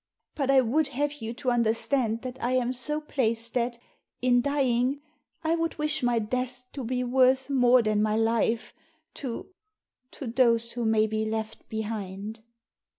But I would have you to understand that I am so placed that, in dying, I would wish my death to be worth more than my life to — ^to those who may be left behind."